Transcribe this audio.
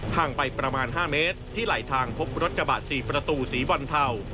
ห่างไปประมาณ๕เมตรที่ไหลทางพบรถกระบะ๔ประตูสีบอลเทา